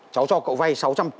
cháu cho cậu vay sáu trăm linh